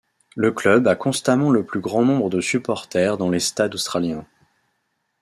Le club a constamment le plus grand nombre de supporters dans les stades australiens.